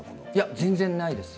全然ないです。